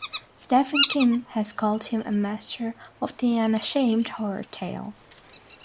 Stephen King has called him "a master of the unashamed horror tale".